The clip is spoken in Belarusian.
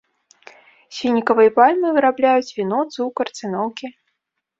З фінікавай пальмы вырабляюць віно, цукар, цыноўкі.